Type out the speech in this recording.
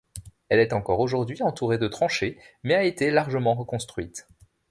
Elle est encore aujourd'hui entourée de tranchées, mais a été largement reconstruite.